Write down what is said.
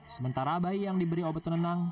sementara bayi yang diberi obat penenang